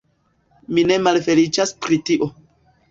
Mi ne malfeliĉas pri tio.